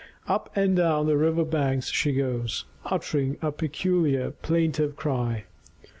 Up and down the river banks she goes, uttering a peculiar plaintive cry.